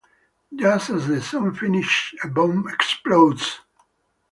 Just as the song finishes, a bomb explodes.